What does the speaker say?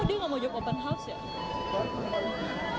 bapak akan melakukan open house juga pak